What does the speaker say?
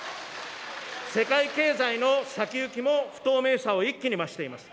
世界経済の先行きも不透明さを一気に増しています。